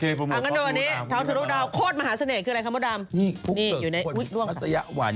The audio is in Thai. ข้อสนุกดาวโคตรมหาเสน่ห์คืออะไรครับโมดาม